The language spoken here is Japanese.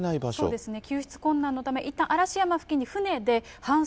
そうですね。